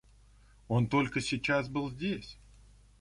— Он только сейчас был здесь.